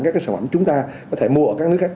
các sản phẩm chúng ta có thể mua ở các nước khác